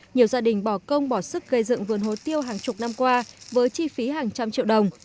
nhiều gia đình bỏ công bỏ sức gây dựng vườn hố tiêu hàng chục năm qua với chi phí hàng trăm triệu đồng